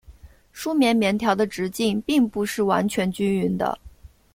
梳棉棉条的直径并不是完全均匀的。